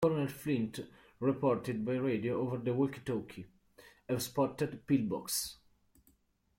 Colonel Flint reported by radio over the walkie-talkie: Have spotted pillbox.